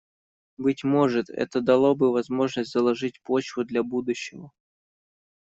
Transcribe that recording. Быть может, это дало бы возможность заложить почву для будущего.